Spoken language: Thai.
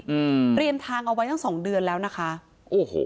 อืมเรียมทางเอาไว้ตั้งสองเดือนแล้วนะคะโอ้โห